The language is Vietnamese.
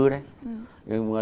cầu ngư đấy